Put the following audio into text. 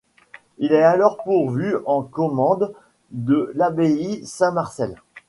Il est alors pourvu en commende de l'abbaye Saint-Marcel.